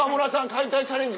解体チャレンジ